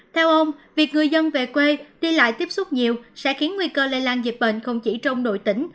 theo ông việc người dân về quê đi lại tiếp xúc nhiều sẽ khiến nguy cơ lây lan dịch bệnh không chỉ trong nội tỉnh